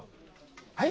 はい？